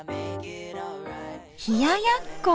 冷ややっこ！